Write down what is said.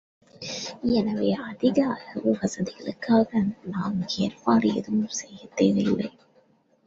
எனவே, அதிக அளவு வசதிகளுக்காக நான் ஏற்பாடு எதுவும் செய்யத் தேவையில்லை.